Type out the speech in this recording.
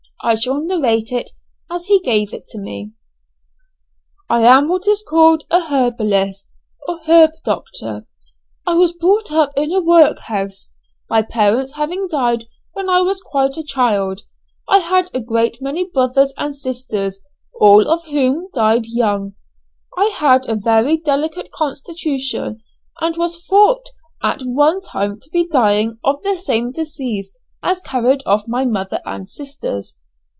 I shall narrate it as he gave it to me: "I am what is called a herbalist, or herb doctor. I was brought up in a workhouse, my parents having died when I was quite a child. I had a great many brothers and sisters, all of whom died young. I had a very delicate constitution, and was thought at one time to be dying of the same disease as carried off my mother and sisters.